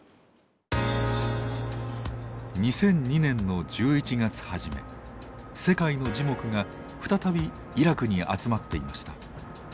２００２年の１１月初め世界の耳目が再びイラクに集まっていました。